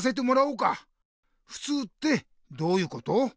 ふつうってどういうこと？